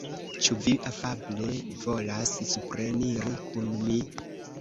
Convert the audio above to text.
Ĉu vi afable volas supreniri kun mi?